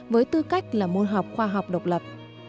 với tư cách là môn học khoa học độc lập